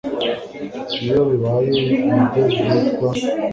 iyo bibaye nibyo byitwa